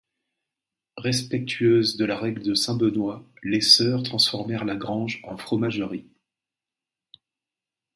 Respectueuses de la règle de St Benoît, les sœurs transformèrent la grange en fromagerie.